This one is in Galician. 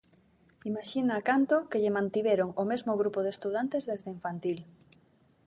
Imaxina canto que lle mantiveron o mesmo grupo de estudantes desde Infantil.